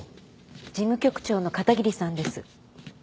事務局長の片桐さんです。